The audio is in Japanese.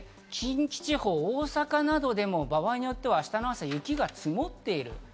近畿地方、大阪などでも場合によっては明日の朝、雪が積もっている。